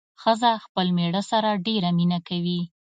ښځه خپل مېړه سره ډېره مينه کوي